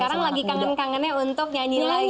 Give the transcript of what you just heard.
sekarang lagi kangen kangennya untuk nyanyi lagi